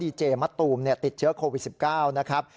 ดีเจมะตูมติดเชื้อโควิด๑๙นะครับ